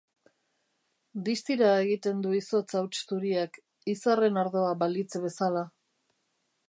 Distira egiten du izotz hauts zuriak, izarren ardoa balitz bezala.